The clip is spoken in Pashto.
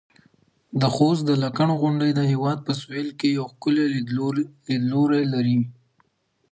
د خوست د لکڼو غونډۍ د هېواد په سویل کې یو ښکلی لیدلوری لري.